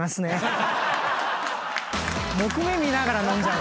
木目見ながら飲んじゃう。